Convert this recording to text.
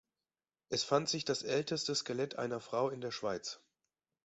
Es fand sich das älteste Skelett einer Frau in der Schweiz.